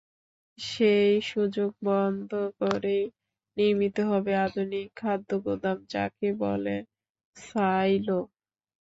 সেই সুযোগ বন্ধ করেই নির্মিত হবে আধুনিক খাদ্যগুদাম, যাকে বলে সাইলো।